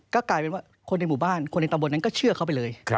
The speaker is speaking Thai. ก็กลายเป็นว่าคนในหมู่บ้านคนในตำบลนั้นก็เชื่อเขาไปเลย